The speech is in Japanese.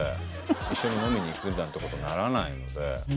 一緒に飲みに行くなんて事にならないので。